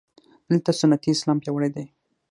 دلته سنتي اسلام پیاوړی دی.